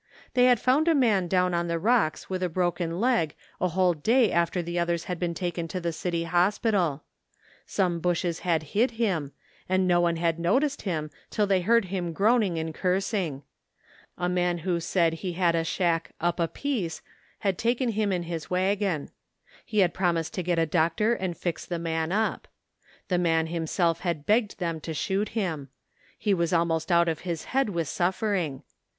They had found a man down on the rocks with a broken leg a whole day after the others had been taken to the city hospital. Some bushes had hid him and no one had noticed him till they heard him groaning and cursing. A man who said he had a shack '^ up a piece " had taken him in his wagon. He had promised to get a doctor and fix the man up. The man himself had begged them to shoot him. He was almost out of his head with suffering.